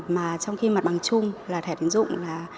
mà trong khi mặt bằng chung là thẻ tín dụng